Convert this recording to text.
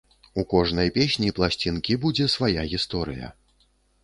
У кожнай песні пласцінкі будзе свая гісторыя.